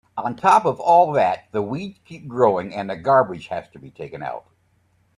On top of all that, the weeds keep growing and the garbage has to be taken out.